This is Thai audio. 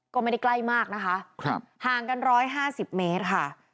ก็ไม่ได้ใกล้มากนะคะห่างกัน๑๕๐เมตรค่ะ